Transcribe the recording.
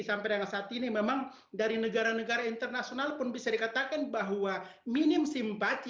sampai dengan saat ini memang dari negara negara internasional pun bisa dikatakan bahwa minim simpati